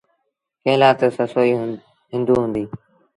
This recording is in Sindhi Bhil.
ڪݩهݩ لآ تا سسئي هُݩدو هُݩديٚ۔